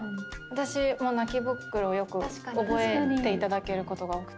私も泣きぼくろよく覚えていただけることが多くて。